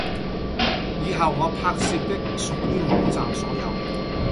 以後我拍攝的屬於網站所有